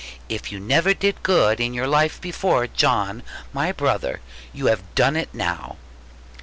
If you never did good in your life before, John, my brother, you have done it now.'